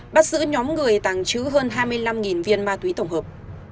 bắt giữ nhóm người tàng trữ hơn hai mươi năm viên ma túy tổng hợp